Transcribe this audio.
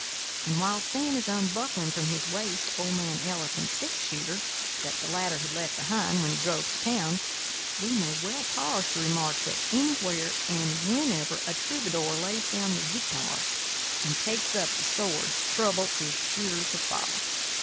And while Sam is unbuckling from his waist old man Ellison's six shooter, that the latter had left behind when he drove to town, we may well pause to remark that anywhere and whenever a troubadour lays down the guitar and takes up the sword trouble is sure to follow.